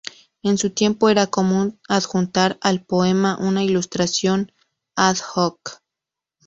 En su tiempo era común adjuntar al poema una ilustración "ad hoc".